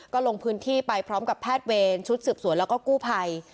ก็ลงพื้นที่ไปพร้อมกับแพทย์เวรชุดสืบสวนแล้วก็กู้ภัย